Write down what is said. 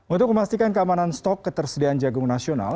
untuk memastikan keamanan stok ketersediaan jagung nasional